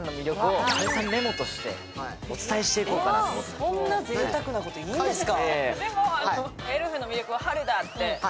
そんなぜいたくなこといいんですか？